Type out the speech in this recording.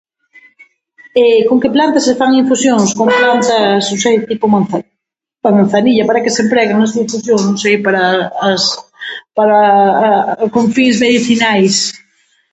Con que plantas se fan infusións? Con plantas non sei, tipo manzanilla. Para que se empregan as infusións? Non sei, para as, para a, con fins medicinais.